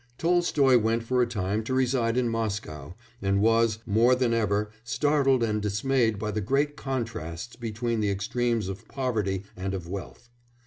Tolstoy went for a time to reside in Moscow, and was, more than ever, startled and dismayed by the great contrasts between the extremes of poverty and of wealth.